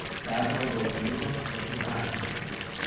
Petro bazilikos Vatikane.